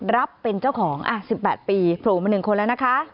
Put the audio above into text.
รับเป็นเจ้าของ๑๘ปีโผล่มา๑คนแล้วนะคะ